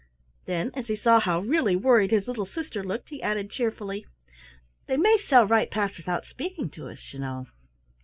Then, as he saw how really worried his little sister looked, he added cheerfully. "They may sail right past without speaking to us, you know."